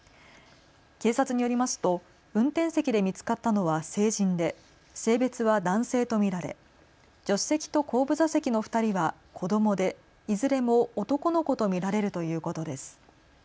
警察によりますと運転席で見つかったのは成人で性別は男性と見られ、助手席と後部座席の２人は子どもで、いずれも男の子と見られるということです。